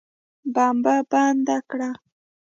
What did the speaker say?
بمبه بنده کړه.